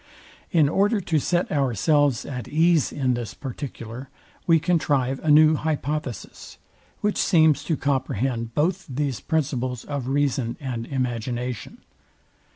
In order to set ourselves at ease in this particular, we contrive a new hypothesis, which seems to comprehend both these principles of reason and imagination.